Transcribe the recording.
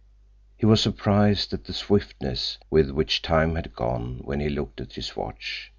He was surprised at the swiftness with which time had gone, when he looked at his watch.